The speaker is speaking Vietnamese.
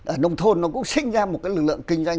ở nông thôn nó cũng sinh ra một cái lực lượng kinh doanh